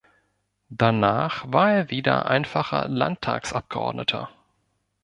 Danach war er wieder einfacher Landtagsabgeordneter.